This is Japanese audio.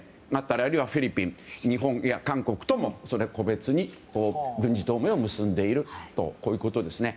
あるいフィリピン、日本韓国とも個別に軍事同盟を結んでいるということですね。